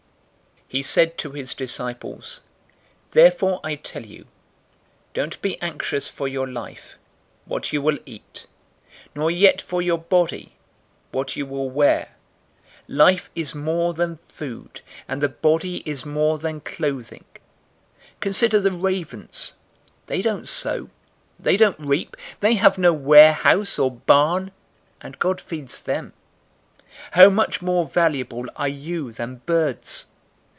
012:022 He said to his disciples, "Therefore I tell you, don't be anxious for your life, what you will eat, nor yet for your body, what you will wear. 012:023 Life is more than food, and the body is more than clothing. 012:024 Consider the ravens: they don't sow, they don't reap, they have no warehouse or barn, and God feeds them. How much more valuable are you than birds!